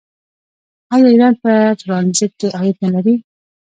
آیا ایران په ټرانزیټ کې عاید نلري؟